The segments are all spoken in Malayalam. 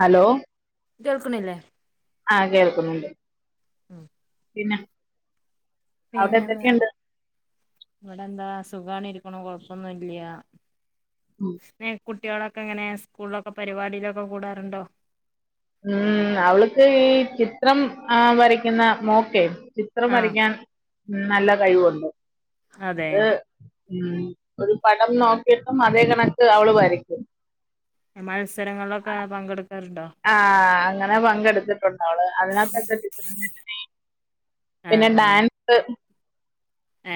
ഹലോ കേൾക്കണില്ലേ. ആഹ് കേൾക്കുന്നുണ്ട്. ഉം പിന്നെ അവിടെ പിന്നെന്താ എന്തൊക്കെയുണ്ട് ഇവിടെ എന്താ സുഖണ ഇരിക്കണ കൊഴപ്പൊന്നുംല്ലന്നെ ക്കു കുട്ടികളൊക്കെങ്ങനെ സ്കൂളൊക്കെ പരിപാടിയിലൊക്കെ ക്കു ടാറുണ്ടോ ഉം അവൾക്ക് ഈ ചിത്രം ആ വരക്കുന്ന മോൾ ക്കെ ചി ത്രം ആ വരക്കാൻ നല്ല കഴിവുണ്ട് അതെ അത് ഉ ഒരു പടം നോക്കിട്ടും അതേ കണക്ക് അവള് വരയ്ക്കും മത്സരങ്ങളിലൊക്കെ പങ്കെടുക്കാറുണ്ടോ ആഹ് അങ്ങനെ പങ്കെടുത്തിട്ടുണ്ട അവള് അതിനകത്തെ ആ പിന്നെ ഡാൻസ്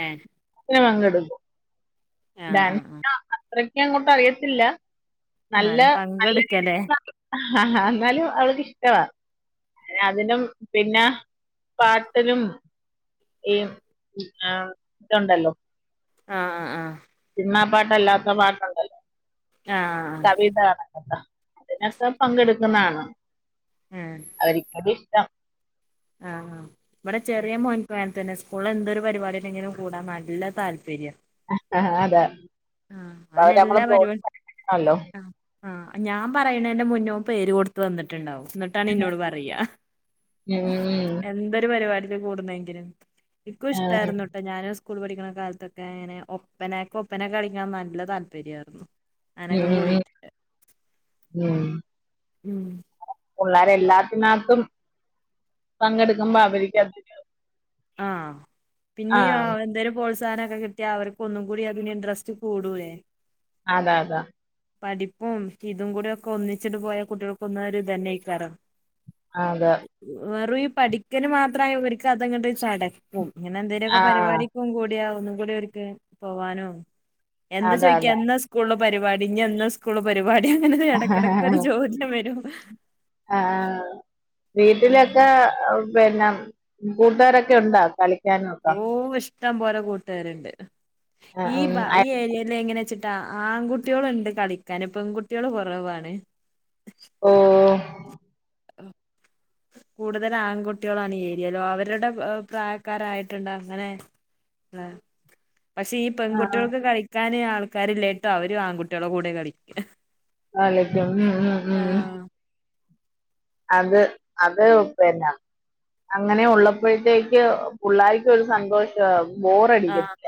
ഏഹ് ന് പങ്കെടുക്കും ആ ആ ആ ഡാൻസി അത്രക്ക അങ്ങോട്ട് അറിയത്തില്ല നല്ല എന്നാലും നല്ല രീതി പങ്കെടുക്കലേ ആ എന്നാലും അവൾക്ക്ഷ്ടമാണ് അതിനും പിന്നെ പാട്ടിനും ഈ ആ ഇത് ഉണ്ടല്ലോ ആഹ് ആഹ് സിനിമ പാട്ടല്ലാത്ത പാട്ടുണ്ടല്ലോ ആ കവിത കാണ അതിനോ ക്കെ പങ്കെടുക്കുന്നതാണ് ഉം അവരിക്കനിഷ്ടം ആഹ് ആഹ് ഇവിടെ ചെറിയ മോനങ്ങനെ തന്നെ സ്കൂളിൽ എന്തൊ പരിപാടിടെ ങ്കിലും കൂടാൻ നല്ല താല്പര്യം അതെ അ അവന് അവര് നമ്മള്ലപ്രോത്സാഹിപ്പിക്കാണല്ലോ ആഹ് ഞാൻ പറയണതിന്റെമുന്നഅവൻ പേര് കൊടുത്തു വന്നിട്ടുണ്ടാവും എന്നിട്ട് ട്ടാണ്നോട് പറയാ ഉം എന്തൊരു പരിപാടിക്ക് കൂടുന്നെങ്കിലും എനിക്കും ആ, ഇഷ്ടായിരുന്നു കേട്ടെ ഞാനും സ്കൂൾ പഠിക്കണ കാലത്തൊക്കെ അങ്ങനെ ഒപ്പനക്കെ ഒപ്പനെ കളിക്ക ഞൻ നല്ല താല്പര്യയിരുന്നു ഉം ഉം ഉം പിള്ളേരെ എല്ലാത്തിനകത്തും പങ്കെടുക്കബോ ആവരി ക്കാതൊരു ആഹ് ആ പിന്നെ എന്തായാലും പ്രോൽ സാഹ നൊക്കെ കിട്ടിയ അവർക്ക് ഒന്നും കൂടി അതിന് ഇൻട്രസ്റ്റ് കൂടു ലെ അതെ അതാ പഠിപ്പും ഇതും കൂടെ ഒക്കെ ഒന്നിച്ചിട്ട് പോയാൽ കുട്ടികൾക്ക്ന്ന ഒരു ഇത് തന്നെയായി കാരം അതെ വെറും ഈ പഠിക്കന് മാത്രമായ ഇവർക്ക് അതെങ്ങോട്ട ചടക്കും ഇങ്ങനെ ആ എന്തേങ്കലുമൊക്കെ പരിപാടി കൂടിയാ ഒന്നും കൂടി അവർക്ക് പോവാനോ എന്താ അതാ ചോദിക്ക അതാ എന്താ സ്കൂള് പരിപാടി എ ന്ന് സ്കൂള് പരിപാടി അങ്ങനെ ഇടക്കിടക്കൊ ഒരു ചോദ്യം വരും ആഹ് ആഹ് വീട്ടിലൊക്കെ പിന്നെ കൂട്ടുകാരൊക്കെ ഉണ്ടോ കളി ഓ ഇഷ്ടം പോലെ കൂട്ടുകാരുണ്ട് ഈ ഈ ഏരിയൽ എങ്ങനെ വെച്ച ആൺകുട്ടികളു ണ്ട് കളിക്കാൻ പെൺകുട്ടികള് കുറവാണ് ഓ ആഹ് കൂടുതൽ ആൺകുട്ടികളാണ് ഈ ഏരിയല്ലോ അവരുടെ പ്രായക്കാരായിട്ടുണ്ട് അങ്ങനെ അഹ് പക്ഷെഈ ആഹ് പെൺകുട്ടികൾക്ക് കളിക്കാന് ആൾക്കാരില്ലായിട്ടോ അവരും ആൺകുട്ടികളെ കൂടെ കളിക്ക കളിക്കും ഉം ഉ ഉം ആഹ് അത് അത്പിന്നെ അങ്ങനെ ഉള്ളപ്പോഴത്തേക്ക് പിള്ളർക്ക് ഒരു സന്തോഷം ആഹ് ബോറടിക്കത്തില്ല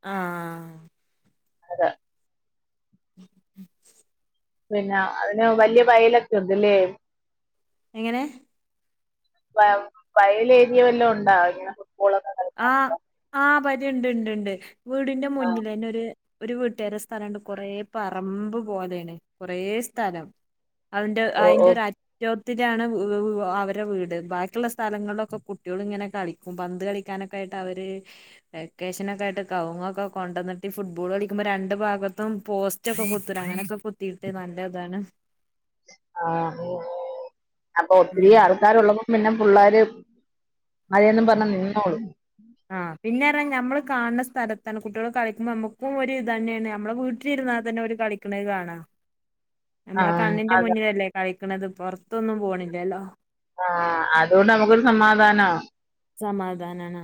ആഹ് അത ഉ പിന്നെ അതിന് വലിയ വയലൊക്കെ ഉണ്ട്ല്ലേ എങ്ങനെ വയലേരിയ വല്ലോം ഉണ്ടാ ഇങ്ങനെ ഫുട്ബോളൊക്കെ ആ കളിക്കാനൊക്കെ ഹ്ആഹ് പതി ഉണ്ട് ഉണ്ട് ഉണ്ട് വീടിന്റെ ആഹ് മുന്നിൽ ഒരു ഒരു വീട്ടുകാരു ടെസ്ഥലം ഉണ്ട് കൊറേ പറമ്പ് പോലെയാണ് കൊറേ സ്ഥലം അവന്റെ ഓ ഓ അയിറെ ര ചോത്തിണ് അവരെ വീട് ബാക്കിയുള്ള സ്ഥലങ്ങളിലൊക്കെ കുട്ടികൾ ഇങ്ങനെ കളിക്കും പന്ത് കളി ക്കാനൊക്കെയായിട്ട് അവര് വെക്കേഷന ഒക്കെ ആയിട്ട് കവുങ്ങൊക്കെ കൊണ്ടന്നിട്ട് ഫുട്ബോൾ കളിക്കുമ്പോ രണ്ട് ഭാഗത്തും പോസ് ഉറ്റച്ചക്കെ കൊത്തരാ അങ്ങനൊക്കെ കുത്തിയിട്ട് നല്ല ഇതാണ് ആഹ് അപ്പൊ ഒത്തിരി ഉം ആൾക്കാരുള്ളതും പിന്നെ പിള്ളാര് മറന്നെന്നും പറഞ്ഞഞ് നിന്നോളൂ ആഹ് പിന്നെ അ നമ്മള് കാണ ണ സ്ഥലത്താണ് കുട്ടികൾ കളിക്കുമ്പോ നമ്മുക്കും ഒരു ഇത് തന്നെയാണ് നമ്മളെ വീട്ട ൽഇരുന്നാൽ തന്നെ അവര് കളിക്കുന്നത് കാണാം നമ്മളെ ആഹ് കണ്ണിന്റെ അതെ മുന്നിലല്ലേ കളിക്കണുന്നത് പുറത്തൊന്നും പോണില്ലല്ലോ ആഹ് അതുകൊണ്ട് നമുക്കൊരു സമാധാനം സമാധാനാണ്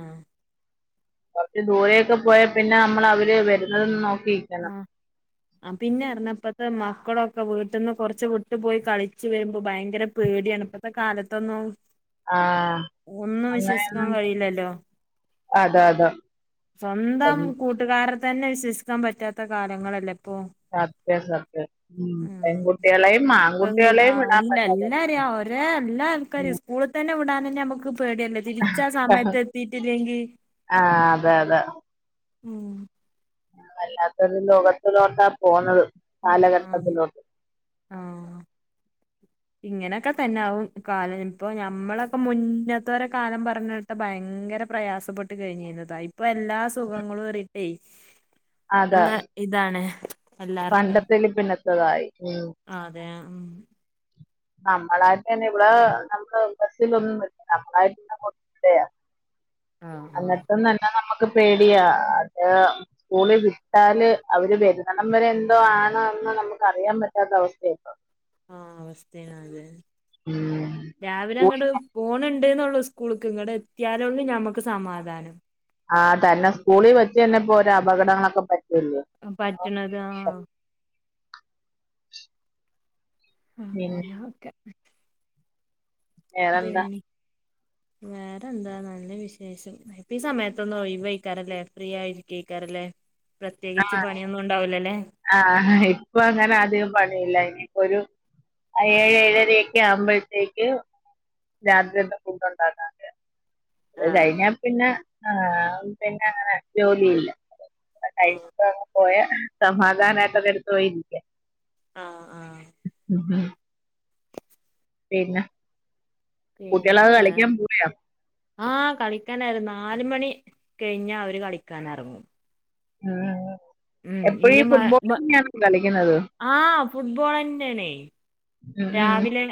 കുറച്ച് ദൂരെയൊക്കെ പോയാൽ പിന്നെ നമ്മള് അവര് വരുന്നതും ന്നോക്കി ആഹ് ആഹ് പിന്നെ പറഞ്ഞ ഇപ്പത്തെ മക്കളൊക്കെ വീട്ടിൽന്ന് കൊറച്ച് വിട്ട് പോയി കളിച്ചു വരുമ്പോ ഭയങ്കര പേടിയാണ്പ്പ ഇപ്പത്തെ കാലത്തൊന്നും ആഹ് ഒന്നും വിശ്വസിക്കാൻ കഴിയില്ലല്ലോ അതാ അതാ സ്വന്തം കൂട്ടുകാരെ തന്നെ വിശ്വസിക്കാൻ പറ്റാത്ത കാലങ്ങളല്ലേ ഇപ്പൊ അതെ സത്യം ഉ ഉം പെൺകുട്ടികളെയും മാ പെൺകുട്ടി ആ അല്ല എല്ലാരെയുംഒരേ എല്ലാ ആൾക്കാരേയും സ്കൂളിൽ തന്നെ വിടാൻ തന്നെ നമ്മുക്ക് പേടിയല്ലേ തിരിച്ച ആഹ് സമയത്ത് എത്തിയിട്ടില്ലെങ്കിൽ ആഹ് അതെ അതെ ഉം വല്ലാത്ത ഒരുലോകത്തിലോട്ടാ പോകുന്നത് ഉ ആം ആം ഇങ്ങനെയൊക്കെ തന്നെ ആകും കാലം ഇപ്പൊ ഞമ്മളൊക്കെ മുന്നത്തെ വരെ കാലം പറഞ്ഞ ഭയങ്കര പ്രയാസപ്പെട്ട് കഴിഞ്ഞിരുന്നതാ ഇപ്പൊ എല്ലാ സുഖങ്ങളും ഏറിയിട്ടേ [inaudible] ഉള്ള ഇതാണ് പണ്ടത്തേൽ പിന്നത്തതായി ഉം ആഹ് അതെ ഉം നമ്മളായിട്ട് തന്നെ ഇവിടെ നമ്മള് ബസിലൊന്നും [unintelligible] നമ്മളായിട്ട്ന്നെ അതെയ ആഹ് ആഹ് അന്നട്ടും തന്നെ നമുക്ക് പേടിയാ അത് സ്കൂളിൽ വിട്ടാല് അവര് വരുന്നടം വരെ എന്തോ ആണ്ന്ന് നമുക്ക് അറിയാൻ പറ്റാത്ത അവസ്ഥയാ ഇപ്പൊ ആഹ് അവസ്ഥയാണില്ലേ ഉം രാവിലെ സ്കൂ അങ്ങട് പോണുണ്ട് എന്നള്ളു സ്കൂള്ക്ക് ഇങ്ങട് എത്തിയാലേ ഉള്ളൂ ഞമ്മക്ക് സമാധാനം ആഹ് തന്നെ സ്കൂളിൽ വച്ച് തന്നെ ഇപ്പോ ഒരോ അപകടങ്ങളൊക്കെ പറ്റില്ലേ പട്ടണത് ആഹ് പിന്ന അങ്ങനെ ഓക്കെ വേറെന്താ [unintelligible] വേറെ എന്താ നല്ല വിശേഷം ഇപ്പ ഈ സമയത്തൊന്നോഴിവെയ്ക്കാറില്ലേ ഫ്രീ ആയിരിക്കെയ്ക്കാറില്ലേ. പ്രത്യേകിച്ച് ആഹ് പണിയൊന്നും ഉണ്ടാവൂലലേ. ആഹ് ഇപ്പൊ അങ്ങനെ അധികം പണിയില്ല ഇനിയിപ്പൊരു ആ ഏഴ് ഏഴരക്കാ വുമ്പോഴ്ത്തേക്ക് രാത്രിയെക്കെ ഫുഡ്ണ്ടാക്കാൻ അത് ആഹ് കഴിഞ്ഞാ പിന്നെ ആഹ് പിന്നങ്ങനെ ജോലിയില്ല ഉം കഴിച്ചങ്ങ് പോയാ സമാധാനായിട്ട് ഒരെടുത്ത് പോയിരിക്കാം ആഹ് ആഹ് അതെ പിന്നെ പിന്നെ കുട്ട്യോളെക്കെ വേ കളിക്കാൻ പോയ. ആഹ് കളിക്കാനായിരുന്ന നാല് മണി കഴിഞ്ഞാ അവര് കളിക്കാനെ റങ്ങും. ഉം ഉം എപ്പഴും ഈ ഇനി മ മ ഫുട്ബോളെന്നയാണോ കളിക്കുന്നത്. ആഹ് ഫുട്ബോളെന്നെണേ ഉം ഉം രാവിലെ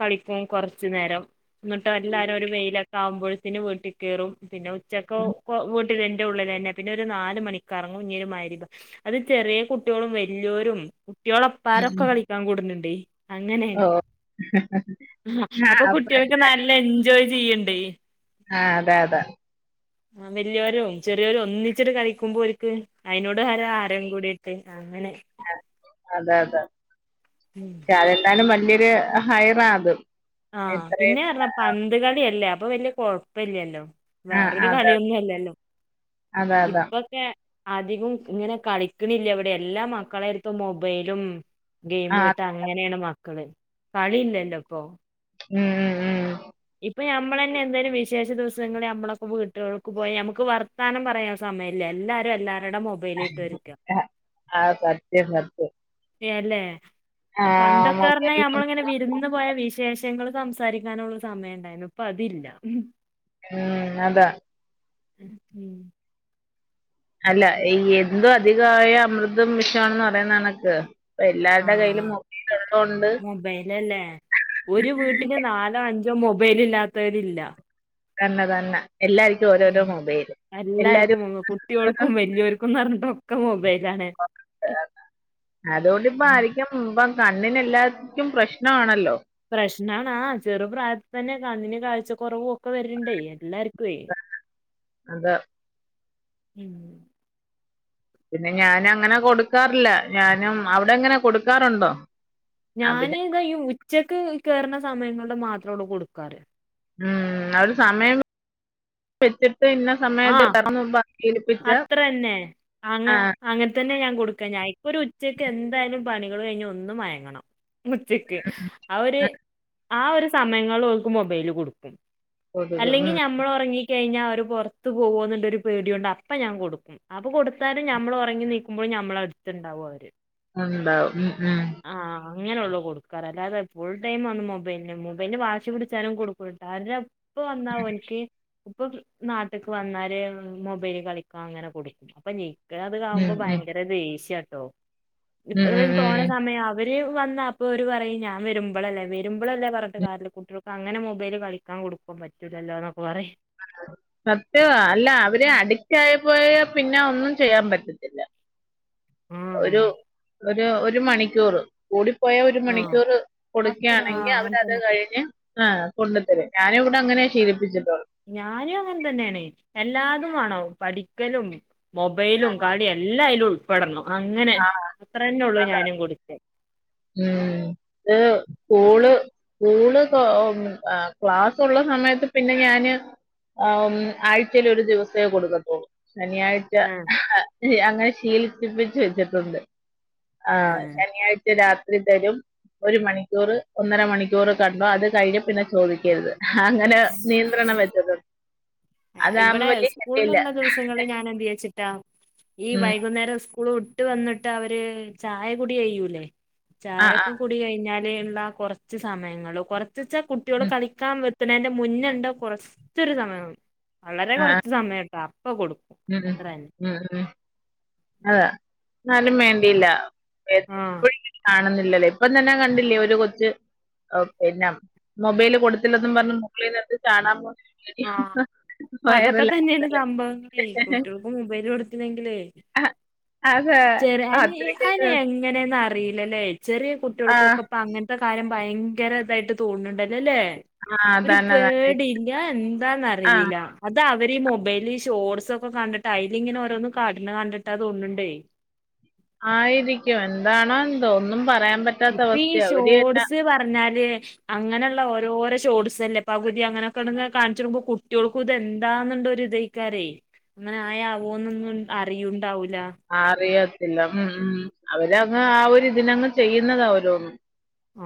കളിക്കും കൊർച്ച് നേരം. ഇങ്ങട്ടേ അല്ലാരും ഒരു വെയിലൊക്കാവുമ്പോഴ്ത്തിന് വീട്ടീ കെറും പിന്നെ ഉച്ചക്ക് ഉം വിട് ട്ടി ഇന്റെ ഉള്ളിലെന്നെ പിന്നൊരു നാല് മണിക്കെർങ്ങും ഞ്ഞെരു മഗ്രിബ് അത് ചെറിയെ കുട്ട്യോളും വലിയോരും കുട്ട്യോളെ പ്പാരൊക്കെ ഉം കളിക്കാൻ കൂട്ണ് ണ്ടെയ്. ഓ അങ്ങനെയാണ് ആ അപ്പൊ അപ്പ കുട്ട്യോളൊക്കെ നല്ല എൻജോയ് ചെയ്യ്ണ്ടെ. ആഹ് അതെ അതെ അ വല്യോരും ചെറിയോരും ഒന്നിച്ചിട്ട് കളിക്കുമ്പോര്ക്ക് അയിനോട് ഹരം ഹരം കൂടീട്ട് അങ്ങനെ അതെ അതെ ഉം പക്ഷെ അതെന്തായാലും വല്ല്യൊരു ഹൈറാ അത് ആഹ് ഇത്രയും പിന്നെ പറഞ്ഞാ ആ പന്ത് കളിയല്ലേ അപ്പ വല്ലിയ കൊഴപ്പല്യല്ലോ ആ, വേറൊരു അതെ അതെ കളിയൊന്നുല്ലല്ലോ അതെ അതെ ഇപ്പം ന്നെ അധികും ഇങ്ങനെ കളിക്കണില്ലവിടെ എല്ലാ മക്കളെടുത്തും മൊബൈലും ആ ഗെയിമുവായിട്ട അങ്ങനെയാണ് മക്കള് കളില്ലല്ലോ പ്പൊ ഉം ഉം ഉം ഇപ്പ നമ്മളെന്നെ എന്തെലും വിഷ് വിശെഷ ദിവസങ്ങളിൽ നമ്മളൊക്ക വീട്ടെൾക്ക്ട്ടപോയ നമ്മക്ക് വർത്താനം പറയാൻ സമയല്ല എല്ലാരും എല്ലാരുടെയും മൊബ ലായിട്ടരിക്ക ആ ആ, സത്യം സത്യം അല്ലേ ആ പണ്ടെക്കെർഞ്ഞാ മൊബൈൽ നമ്മളിങ്ങനെ വിര്ന്ന് പോയ വിശേഷങ്ങൾ സംസാരിക്കാനുള്ള സമയേണ്ടായിരുന്ന ഇപ്പതില്ല. ഉം അത ഉം അല്ല എന്തും അധികായ അമൃതം വിഷാണെന്ന് പറയുന്നനക്ക് ഇപ്പ എല്ലാരുടെ കയ്യിലും ആഹ് മുബൈലുള്ളേണ്ട്. നാലേ അഞ്ച് മൊബൈലീല്ലാത്തവരില്ല. തന്ന തന്നെ എല്ലാര്ക്കും. എല്ലാര്ക്കും കുട്ട്യാ ൾക്കും വല്യ യോര്ക്കും ന്നർഞ്ഞിട്ടൊക്കെ മൊബൈലാണ്. ഉം. അധോണ്ട്പ്പറിം. ക്കും മുബം കണ്ണിനെല്ലാർക്കും പ്രശ്നാണല്ലോ. പ്രശ്നാണാ ആഹ് ചെറു പ്രായത്തിൽതന്നെ കണ്ണിന് കാഴ്ച കൊറവെക്കെ വരുണ്ടൈ എല്ലാര്ക്കേയ്. അതെ ഉം പിന്നെ ഞാനങ്ങന കൊടുക്കാറില്ല ഞാനും അവിടെ എങ്ങനെ കൊടുക്കാറുണ്ടോ? ആ പിന്നെ ഞാനിതാ ഈ ഉച്ചെക്ക് കേറ്ണ സമയങ്ങേണ്ട് മാത്രേള്ളൂ കൊടുക്കാറ്. ഉം ആ ഒര് സമയം വെച്ചിട്ട് ഇന്ന സമയത്ത് ആഹ് കേറന്ന് ശീലി പ്പിച്ച് ആഹ്. അതന്നെ ഞാകൊടുക്കാ ഞാ ഇപ്പൊരുച്ചയ്ക്ക് എന്തായാലും പണികള് കയിഞ്ഞൊന്ന് മയങ്ങണം ഉച്ചക്ക് അഒരു ആ ആ ഒരു സമയങ്ങളിലോൽക്ക് മൊബൈല് കൊടുക്കും കൊതുക് അല്ലെങ്കി ഉം ഞമ്മളൊറങ്ങി കെയിഞ്ഞാ അവര് പൊറത്ത്പോവൊന്നുളളൊരു പേടിയോണ്ട് അപ്പ ഞാകൊടുക്കു അപ്പൊ കൊടുത്താലും ഞമ്മള് ഒറങ്ങി നീക്കുമ്പോഴും ഞമ്മള അടുത്തുണ്ടാവു അവര് ഉണ്ടാവും ഉം ഉം ആഹ് അങ്ങനുള്ളൂ കൊടുക്കാറ് അല്ലാതെ ഫുൾടൈം ഒന്നുമൊബൈലിന് മുബൈലിന് വാശി പിടിച്ചാലും കൊടുക്കൂട്ടാല്ല അര ഇപ്പ വന്നാഓൻക്ക് ഇപ്പൊ നാട്ട്ക്ക് വന്നല് മൊബൈല് കളിക്കാങ്ങനെ കൊടുക്കും അപ്പൊ ഇക്ക് ഉം അത്കാവുമ്പോ ഭയങ്കര ദേഷ്യാട്ടോ ഉം ഉം ഇത്രയു ഉം തോന ഉം മ്മേ അവര് വന്നാ അപ്പൊവര് പറയും ഞാവെരുമ്പോളല്ലേ വരുമ്പോളല്ലേ പറഞ്ഞട്ട് കാരില്ല കൂട്ട്യള് പ്പഅങ്ങനെ മൊബൈല് കളിക്കാൻ കൊടുക്കു പറ്റൂലല്ലോന്നൊക്കെ പറയും സത്യവാ അല്ല അവര് അഡിറ്റ് ആയിപ്പോയാൽ പിന്നെ ഒന്നുചെയ്യാൻ പറ്റത്തി ആഹ് ഒരു ഒരു മണിക്കൂറ് കൂടിപ്പോയ ഒരു ആഹ് മണിക്കൂർ അത്ര കൊടുക്കയാണെങ്കിൽ ആഹ് അതന്നെ അവരത്കഴിഞ്ഞ് ആഹ് കൊണ്ടുത്തരു ഞാനുവിടെ അങ്ങനെ ശീലിപ്പിച്ചിട്ടുള്ളൊ ഞാനും അങ്ങൻതന്നെയാണ് എല്ലാതും വാണം പഠിക്കലും മൊബൈലും കളിയും എല്ലാ അയ്‌ല് ഉൾപ്പെടണം അങ്ങനെ അത്രന്നെ ഉള്ളൂ ഞാനു കൊടിത്തേ ഉം ഏഹ് സ്കൂള് സ്കൂള് ക ഓ ആഹ് ക്ലാസ്സുള്ള സമയത്ത് പിന്നെ ഞാന് ആഹ് ഒന്ന് ആഴ്ചേല് ഒരു ദിവസേ കൊടുക്കത്തുള്ളൂ ശനിയാഴ്ച ആഹ് ച്ച അങ്ങനെ ശീലിപ്പിപ്പിച്ച് വെച്ചിട്ടുണ്ട് ആഹ് ശെനിയാഴ്ച രാത്രി തരും ഒരുമണിക്കൂര് ഒന്നരമണിക്കൂറ് കണ്ടോ അത് കഴിഞ്ഞ് പിന്നെ ചോദിക്കരുത് അങ്ങന നിയന്ത്രണവെച്ചതോണ്ട് ഇവിടെ സ്കൂളുള്ള ദിവസം ദിവസങ്ങളില് ഞാൻ എന്തുവച്ചിട്ടാ ഈ ഉം വൈകുന്നേര സ്കൂ സ്കൂള് വിട്ട് വന്നിട്ട് അവര് ചായ കുടി കഴിയ്യൂല്ലേ ആഹ് ചായൊക്കെ ആഹ് കുടികഴിഞ്ഞാല് ഇള്ള കൊറച്ച് സമയങ്ങള് കൊറച്ച്ച്ചാ കുട്ട്യോള് ഉം കളിക്കാൻ വെരു [unintelligible] മുന്നേണ്ട് കുറച്ചൊരു സമയ വളരെ ആഹ് കുറച്ച് സമയട്ടാ അപ്പ കൊടുക്കും ഉം അത്രന്നെ ഉം ഉം അതാ എന്നാലുവേണ്ടില്ല ആഹ് കാണുന്നില്ലല്ലേ ഇപ്പതന്നെ കണ്ടില്ലേ ഒരു കൊച്ച് ഓ പിന്നെ മൊബൈല് കൊടുത്തില്ലെന്നും പറഞ്ഞ് മുകളിന്നെടുത്ത് ചാടാൻപോയെ ആഹ് ഇപ്പൊ അതൊക്കെ തന്നെയാണ് സംഭവങ്ങളേ കുട്ട്യോൾക്ക് മൊബൈല് കൊടുത്തില്ലങ്കിലേ അത് ചെറിയാന് അത്രയ്ക്ക് അയിന് എങ്ങനെയന്നറിയില്ലല്ലേ ചെറിയ കുട്ടി ആ കുട്ട്യോൾക്കൊക്ക ഇപ്പ അങ്ങനത്തെ കാര്യം ഭയങ്കര ഇതായിട്ട് തോന്നുന്നുണ്ടല്ലോല്ലേ? ആ ഒരു തന്നെ തന്നെ പേടി [unintelligible] ആ എന്താന്നറിയില്ലാ അത് അവര് ഈ മൊബൈല് ഈ ഷോർട്സ് ഒക്കെ കണ്ടിട്ട് അയിലിങ്ങനെ ഓരോന്നും കാട്ടണ കണ്ടിട്ടാതൊന്നുണ്ടേ ആയിരിക്കും എന്താണോ എന്തോ ഒന്നും പറയാൻ പറ്റി- ഇപ്പീ ഷോട്സ് പറഞ്ഞാല് അങ്ങനെയുള്ള ഓരോരോ ഷോട്സല്ലപ്പോ പകുതി അങ്ങനെക്കെ കാണിച്ചിടുമ്പോ കുട്ട്യോൾക്കത് എന്താന്നുണ്ടൊരു ഇത് [unintelligible] അങ്ങനെ ആയാവോന്നൊന്നും അറിയുണ്ടാവൂലാ അറിയത്തില്ല ഉം ഉം അവരങ്ങ് ആഹ് ഒരിതിനങ്ങ് ചെയ്യുന്നതാ ഓരോന്നു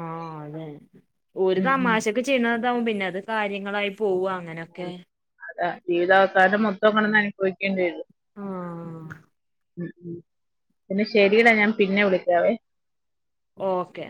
ആഹ് അതെ ഓര് ഉം ഉം തമാശക്ക് ചെയ്യുന്നതാവും പിന്നെത് കാര്യങ്ങളായി പോവാ അങ്ങനൊക്കെ അതാ ജീവിതാവസാനം മൊത്തം കിടന്ന് അനുഭവിക്കേണ്ടി വരും ആ ഉം പിന്നെ ശരിടാ ഞാൻ പിന്നെ വിളിക്കാവേ ഓക്കെ